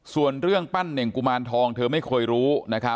ส่วนเรื่องปั้นเน่งกุมารทองเธอไม่เคยรู้